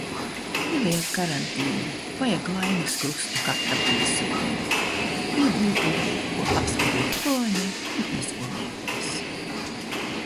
Nevajag karantīnu, vajag Laimas krustu katram pilsonim. Iegūlgēju, ko apskatīt Olainē un Ozolniekos.